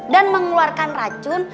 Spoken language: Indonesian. dan mengeluarkan racun